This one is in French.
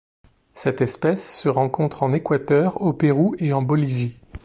Cette espèce se rencontre en Équateur, au Pérou et en Bolivie.